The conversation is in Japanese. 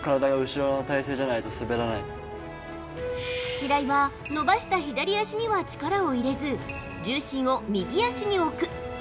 白井は伸ばした左足には力を入れず重心を右足に置く。